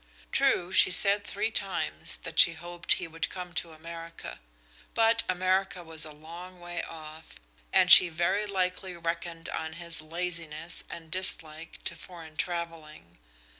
True, she said three times that she hoped he would come to America; but America was a long way off, and she very likely reckoned on his laziness and dislike to foreign traveling.